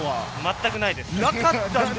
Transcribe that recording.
全くないです。